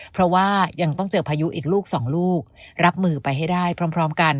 เพราะว่ายังต้องเจอพายุอีกลูกสองลูกรับมือไปให้ได้พร้อมกัน